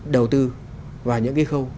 đầu tư vào những cái khâu